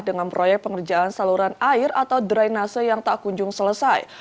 dengan proyek pengerjaan saluran air atau drainase yang tak kunjung selesai